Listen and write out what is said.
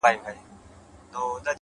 د وخت ناخوالي كاږم؛